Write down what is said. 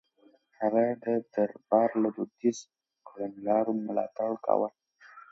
هغه د دربار له دوديزو کړنلارو ملاتړ کاوه.